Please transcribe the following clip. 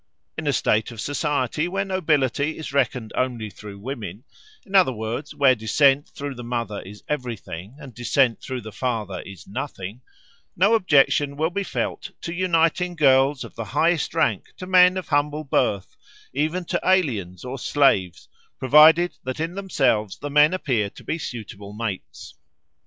In a state of society where nobility is reckoned only through women in other words, where descent through the mother is everything, and descent through the father is nothing no objection will be felt to uniting girls of the highest rank to men of humble birth, even to aliens or slaves, provided that in themselves the men appear to be suitable mates.